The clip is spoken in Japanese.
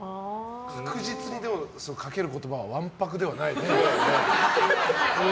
確実に、かける言葉はわんぱくではないね。